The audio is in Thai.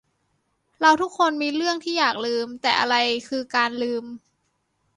เราทุกคนมีเรื่องที่อยากลืม แต่อะไรคือ 'การลืม' ?